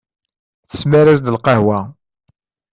Tesmar-as-d lqahwa.